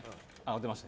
出ました。